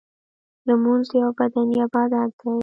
لمونځ یو بدنی عبادت دی .